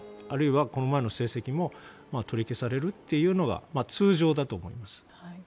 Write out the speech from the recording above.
あるいは、この前の成績も取り消されるというのが通常だと思います。